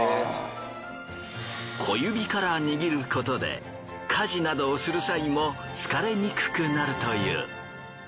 小指から握ることで家事などをする際も疲れにくくなるという。